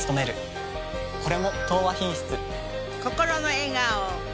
これも「東和品質」。